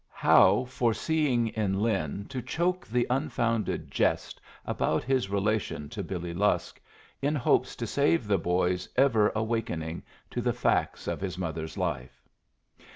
How foreseeing in Lin to choke the unfounded jest about his relation to Billy Lusk, in hopes to save the boy's ever awakening to the facts of his mother's life!